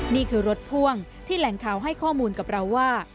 นี่คือรถพ่วงที่แหล่งข่าวให้ข้อมูลกับเราว่า